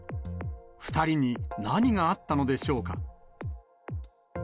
２人に何があったのでしょうか。